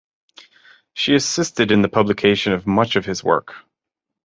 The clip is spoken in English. She assisted in the publication of much of his work.